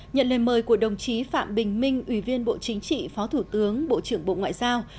nhận lời mời của đồng chí phạm bình minh ủy viên bộ chính trị phó thủ tướng bộ trưởng bộ ngoại giao